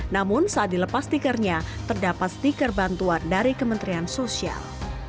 namun saat dilepas stikernya terdapat stiker bantuan dari kementerian sosial